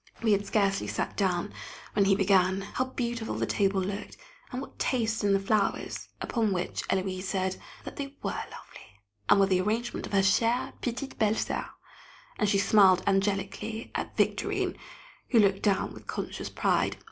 We had scarcely sat down, when he began. How beautiful the table looked, and what taste in the flowers! Upon which Héloise said, that they were lovely, and were the arrangement of her "chère petite belle soeur!" and she smiled angelically at Victorine, who looked down with conscious pride.